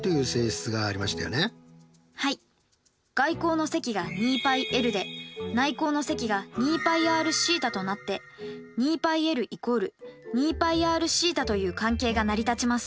外項の積が２πｌで内項の積が２πｒθとなって２πｌ＝２πｒθという関係が成り立ちます。